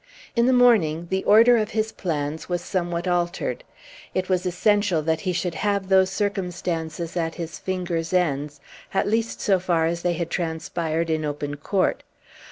In the morning the order of his plans were somewhat altered. It was essential that he should have those circumstances at his fingers' ends, at least so far as they had transpired in open court.